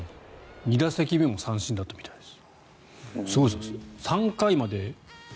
２打席目も三振だったみたいです。